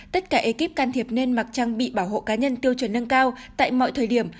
tất cả ekip can thiệp nên mặc trang bị bảo hộ cá nhân tiêu chuẩn nâng cao tại mọi thời điểm